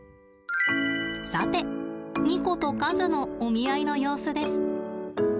さてニコと和のお見合いの様子です。